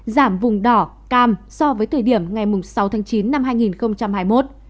giảm vùng đỏ cam so với thời điểm ngày sáu tháng chín năm hai nghìn hai mươi một